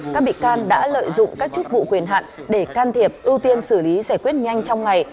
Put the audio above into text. các bị can đã lợi dụng các chức vụ quyền hạn để can thiệp ưu tiên xử lý giải quyết nhanh trong ngày